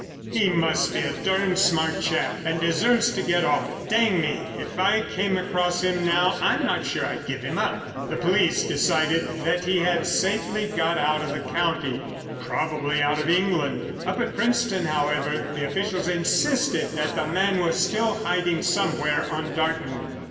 "He must be a durned smart chap, and deserves to get off. Dang me! if I came across him now I'm not sure I'd give him up." The police decided that he had safely got out of the county, probably out of England. Up at Princetown, however, the officials insisted that the man was still hiding somewhere on Dartmoor.